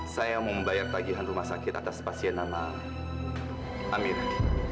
saya mau membayar tagihan rumah sakit atas pasien nama amir